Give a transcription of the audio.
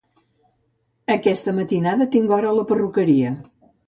Aquesta matinada tinc hora a la perruqueria.